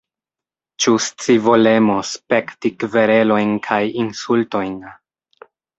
Ĉu scivolemo spekti kverelojn kaj insultojn?